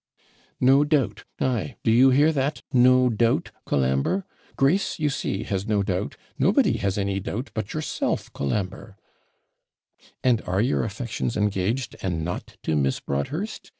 'No doubt. Ay, do you hear that NO DOUBT, Colambre? Grace, you see, has no doubt; nobody has any doubt but yourself, Colambre.' 'And are your affections engaged, and not to Miss Broadhurst?'